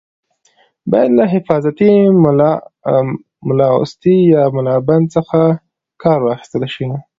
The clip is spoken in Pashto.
باید له حفاظتي ملاوستي یا ملابند څخه کار واخیستل شي.